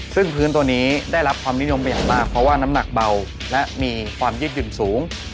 ซึ่งพื้นตัวนี้ได้รับความนิยมไปอย่างมากเพราะว่าน้ำหนักเบาและมีความยืดหยุ่นสูง